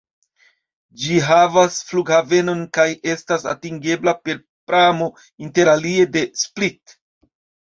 Ĝi havas flughavenon kaj estas atingebla per pramo interalie de Split.